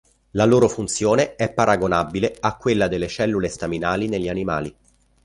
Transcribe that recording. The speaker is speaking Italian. La loro funzione è paragonabile a quella delle cellule staminali negli animali.